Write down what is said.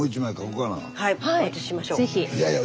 はい。